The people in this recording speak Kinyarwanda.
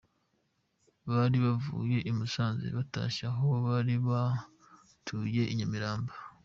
Bari bavuye i Musanze batashye aho bari batuye i Nyamirambo.